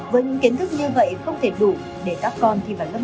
với những kiến thức như vậy không thể đủ để các con thi vào lớp một